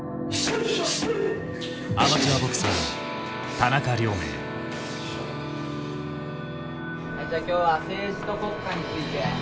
はいじゃあ今日は政治と国家について。